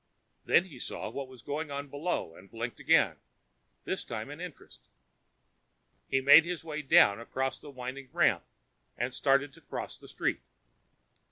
Then he saw what was going on below and blinked again, this time in interest. He made his way down around the winding lamp and started to cross the street.